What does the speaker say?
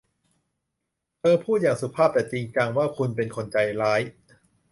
เธอพูดอย่างสุภาพแต่จริงจังว่า คุณเป็นคนใจร้าย